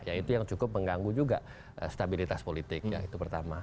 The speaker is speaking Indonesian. ya itu yang cukup mengganggu juga stabilitas politik yang itu pertama